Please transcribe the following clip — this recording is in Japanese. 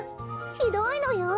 ひどいのよ。